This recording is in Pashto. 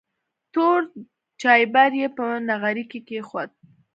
تور چایبر یې په نغري کې کېښود.